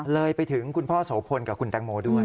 เลยไปถึงคุณพ่อโสพลกับคุณแตงโมด้วย